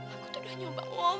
aku tuh udah nyoba